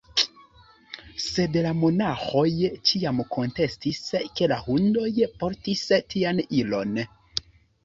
Sed la monaĥoj ĉiam kontestis, ke la hundoj portis tian ilon.